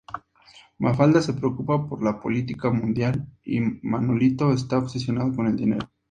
Mafalda se preocupa por la política mundial y Manolito está obsesionado con el dinero.